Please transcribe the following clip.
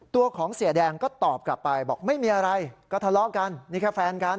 ตัวของเสียแดงก็ตอบกลับไปบอกไม่มีอะไรก็ทะเลาะกันนี่แค่แฟนกัน